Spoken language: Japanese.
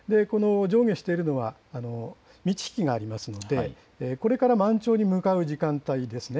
上下しているのが満ち干があるのでこれから満潮に向かう時間帯です。